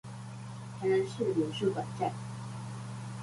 臺南市美術館站